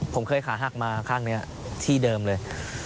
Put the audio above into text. ผมเคยขาหักมาข้างนี้ที่เดิมเลย